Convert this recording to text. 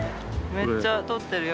めっちゃ撮ってるよ。